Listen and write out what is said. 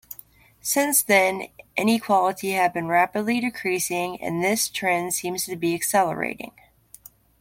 Since then inequality have been rapidly decreasing, and this trend seems to be accelerating.